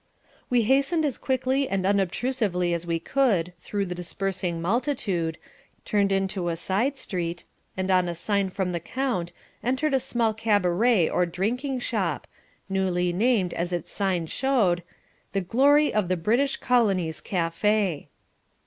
We hastened as quickly and unobtrusively as we could through the dispersing multitude, turned into a side street, and on a sign from the count entered a small cabaret or drinking shop, newly named, as its sign showed, THE GLORY OF THE BRITISH COLONIES CAFE.